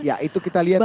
ya itu kita lihat ya